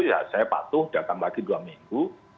ya saya patuh datang lagi dua minggu